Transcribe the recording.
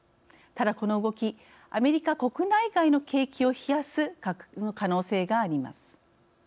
ただこの動きアメリカ国内外の景気を冷やす可能性があります。